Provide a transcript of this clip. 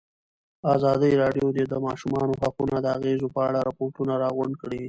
ازادي راډیو د د ماشومانو حقونه د اغېزو په اړه ریپوټونه راغونډ کړي.